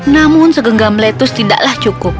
namun segenggam lettuce tidaklah cukup